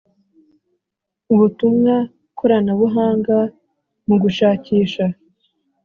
Ubutumwa koranabuhanga mu gushakisha